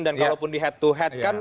dan kalau pun di head to head kan